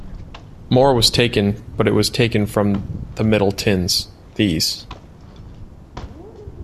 More was taken, but it was taken from the middle tins — these.